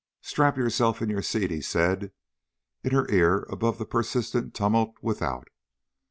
"Strap yourself in your seat," he said in her ear above the persistent tumult without.